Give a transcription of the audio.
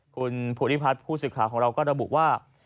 คุณภูริพัฒน์ผู้สื่อข่าวของเราก็ระบุว่า